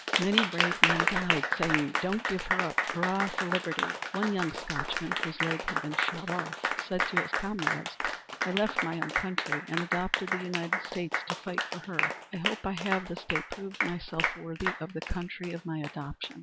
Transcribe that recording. Many brave men died, saying, "Don't give her up! Hurrah for liberty!" One young Scotchman, whose leg had been shot off, said to his comrades, "I left my own country and adopted the United States to fight for her. I hope I have this day proved myself worthy of the country of my adoption.